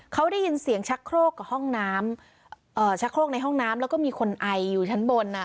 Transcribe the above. เขาได้ยินเสียงชักโครกกับห้องน้ำเอ่อชักโครกในห้องน้ำแล้วก็มีคนไออยู่ชั้นบนอ่ะ